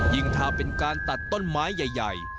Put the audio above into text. ยิ่งถ้าเป็นการตัดต้นไม้ใหญ่